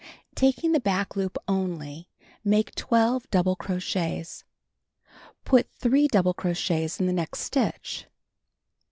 Taking the back loop only, make 12 double crochets. Put 3 double crochets in the next stitch.